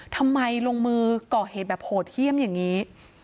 ทำไมลงมือก่อเหตุแบบโหดเยี่ยมอย่างนี้